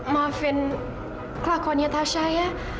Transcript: maafin kelakonnya tasya ya